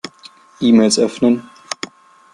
E-Mails öffnen.